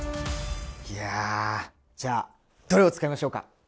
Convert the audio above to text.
いやじゃあどれを使いましょうか？